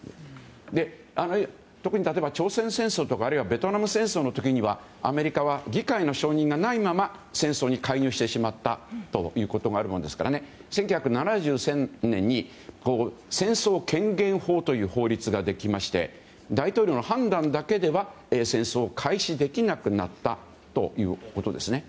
特に、朝鮮戦争とかベトナム戦争の時にはアメリカは議会の承認がないまま戦争に介入してしまったということがあるもんですから１９７３年に戦争権限法という法律ができまして大統領の判断だけでは戦争を開始できなくなったということです。